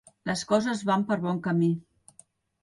Les coses van per bon camí.